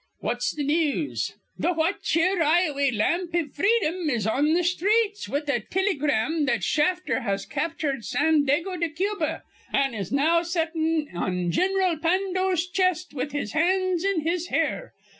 What's th' news?" "Th' What Cheer, Ioway, Lamp iv Freedom is on th' sthreets with a tillygram that Shafter has captured Sandago de Cuba, an' is now settin' on Gin'ral Pando's chest with his hands in his hair.